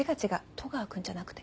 戸川君じゃなくて。